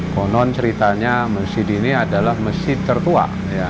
konon ceritanya masjid ini adalah masjid tertua